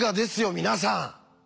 皆さん！